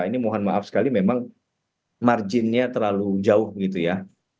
ini mohon maaf sekali memang marginnya terlalu jauh begitu ya